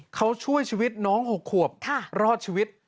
เขาช่วยชีวิตน้อง๖ขวบรอดชีวิต